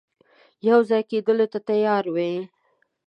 یو ځای کېدلو ته تیار وي.